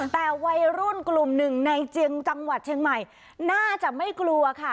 แต่วัยรุ่นกลุ่มหนึ่งในเจียงจังหวัดเชียงใหม่น่าจะไม่กลัวค่ะ